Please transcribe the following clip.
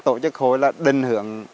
tổ chức khối là đình hưởng